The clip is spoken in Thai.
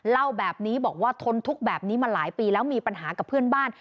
เล่าแบบนี้บอกว่าทนทุกข์แบบนี้มาหลายปีแล้วมีปัญหากับเพื่อนบ้าน